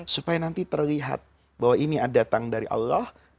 supaya nanti terlihat bahwa ini datang dari allah